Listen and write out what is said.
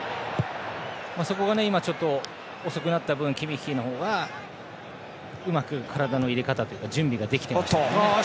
そこが今、ちょっと遅くなった分キミッヒの方がうまく体の入れ方準備ができていました。